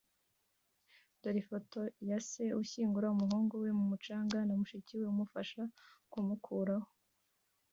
Dore ifoto ya se ushyingura umuhungu we mumucanga na mushiki we bamufasha kumukuraho